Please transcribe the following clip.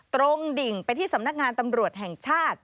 ตรงดิ่งไปที่สำนักงานตำรวจแห่งชาติ